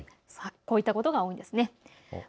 こういったことが多いです。